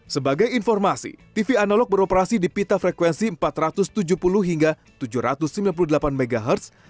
sebagai informasi tv analog beroperasi di pita frekuensi empat ratus tujuh puluh hingga tujuh ratus sembilan puluh delapan mhz